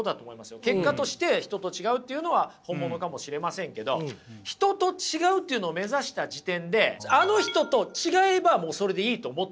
結果として人と違うっていうのは本物かもしれませんけど人と違うっていうのを目指した時点であの人と違えばもうそれでいいと思ってしまうというね。